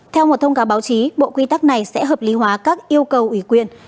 theo một thông cáo báo chí bộ quy tắc này sẽ hợp lý hóa các yêu cầu ủy quyền